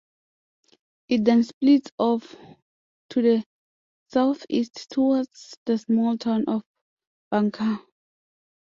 It then splits off to the southeast towards the small town of Bunker.